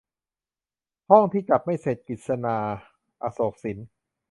ห้องที่จัดไม่เสร็จ - กฤษณา อโศกสิน